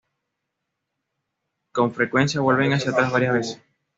Con frecuencia vuelven hacia atrás varias veces.